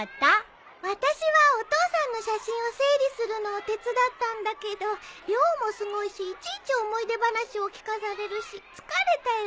私はお父さんの写真を整理するのを手伝ったんだけど量もすごいしいちいち思い出話を聞かされるし疲れたよ。